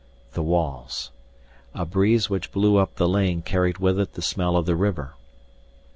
The walls.... A breeze which blew up the lane carried with it the smell of the river.